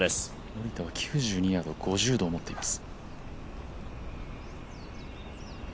森田は９２ヤード、５０度を持っています。